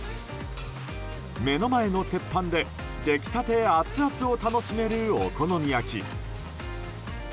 目の前の鉄板で出来たてアツアツを楽しめるお好み焼き。